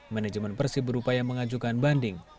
manajemen persib berupaya mengajukan banding